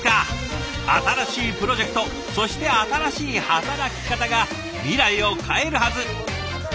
新しいプロジェクトそして新しい働き方が未来を変えるはず。